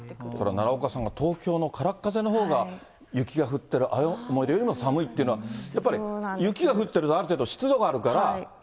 奈良岡さんが東京の空っ風のほうが雪が降ってる、青森よりも寒いというのは、やっぱり、雪が降ってるとある程度湿度があるから。